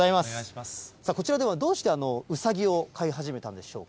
こちらでは、どうしてうさぎを飼い始めたんでしょうか。